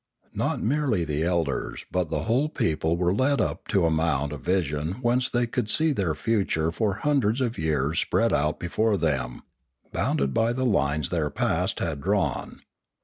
Not merely the elders but the whole people were led up to a mount of vision whence they could see their future for hundreds of years spread out before them, bounded by the lines their past had drawn.